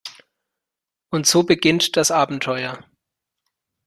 Und so beginnt das Abenteuer.